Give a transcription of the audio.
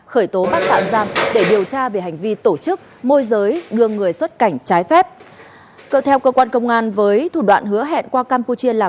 khởi tố bắt tạm giam